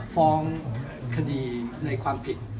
ฟ้องคดีในความผิด